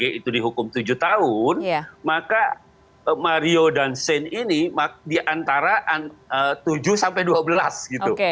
jadi hukum tujuh tahun maka mario dan shane ini di antara tujuh sampai dua belas gitu